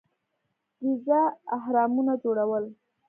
ګیزا اهرامونه جوړول.